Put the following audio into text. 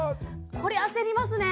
これ焦りますね！